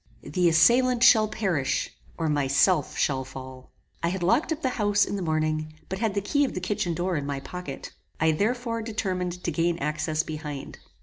The assailant shall perish, or myself shall fall. I had locked up the house in the morning, but had the key of the kitchen door in my pocket. I, therefore, determined to gain access behind.